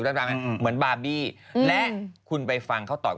เวเน่ไม่ร้องเหรอ